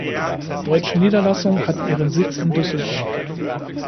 Die deutsche Niederlassung hat ihren Sitz in Düsseldorf.